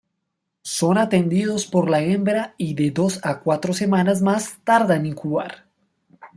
Son atendidos por la hembra y de dos a cuatro semanas más tarde incuban.